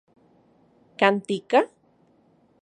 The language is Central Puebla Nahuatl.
¿Kan tika?